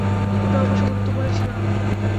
ওটা অবশ্য গুরুত্বপূর্ণ ছিল না।